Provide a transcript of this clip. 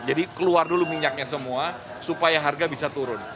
jadi keluar dulu minyaknya semua supaya harga bisa turun